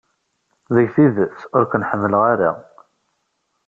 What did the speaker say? Deg tidet, ur ken-ḥemmleɣ ara.